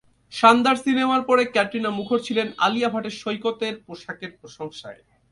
শানদার সিনেমার পরে ক্যাটরিনা মুখর ছিলেন আলিয়া ভাটের সৈকতের পোশাকের প্রশংসায়।